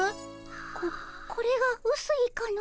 ここれがうすいかの。